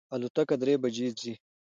الوتکه درې بجی ځي